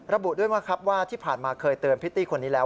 ระบุด้วยนะครับว่าที่ผ่านมาเคยเตือนพริตตี้คนนี้แล้ว